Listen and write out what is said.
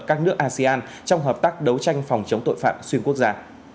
các nước asean trong hợp tác đấu tranh phòng chống tội phạm xuyên quốc gia